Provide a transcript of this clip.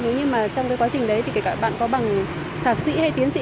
nếu như mà trong quá trình đấy thì kể cả bạn có bằng thạc sĩ hay tiến sĩ